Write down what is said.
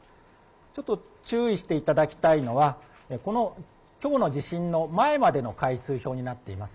ちょっと注意していただきたいのは、きょうの地震の前までの回数表になっています。